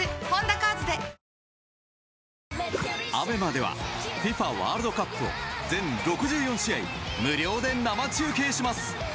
ＡＢＥＭＡではＦＩＦＡワールドカップを全６４試合無料で生中継します。